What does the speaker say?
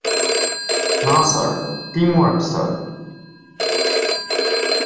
না sir, team work sir!